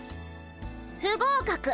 不合格！